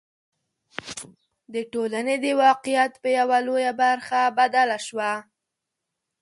د ټولنې د واقعیت په یوه لویه برخه بدله شوه.